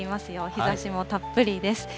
日ざしもたっぷりです。